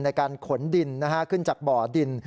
ในการขนดินขึ้นจากบ่อดิน